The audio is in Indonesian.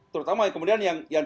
terutama kemudian yang